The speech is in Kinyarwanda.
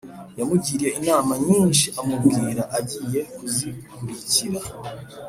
yamugiriye inama nyinshi amubwira agiye kuzikurikira